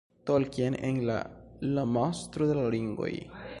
Tolkien en la La Mastro de l' Ringoj.